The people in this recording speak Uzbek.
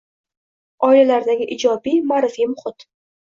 oilalardagi ijobiy, ma’rifiy muhit.